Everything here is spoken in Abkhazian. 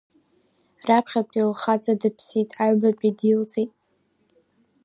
Раԥхьатәи лхаҵа дыԥсит, аҩбатәи дилҵит.